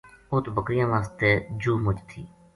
اُت بکریاں واسطے جُوہ مُچ تھی